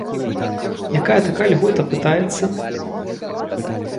Якая такая льгота, пытаецца?